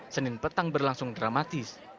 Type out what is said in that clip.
senin petang berlangsung dramatis